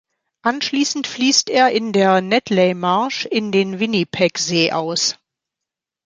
Anschließend fließt er in der Netley Marsh in den Winnipegsee aus.